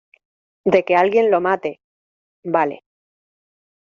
de que alguien lo mate. vale .